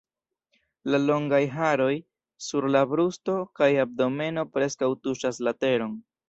La longaj haroj sur la brusto kaj abdomeno preskaŭ tuŝas la teron.